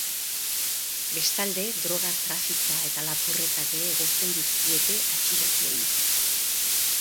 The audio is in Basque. Bestalde, droga-trafikoa eta lapurretak ere egozten dizkiete atxilotuei.